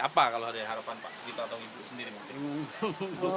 apa kalau ada harapan pak kita atau ibu sendiri mungkin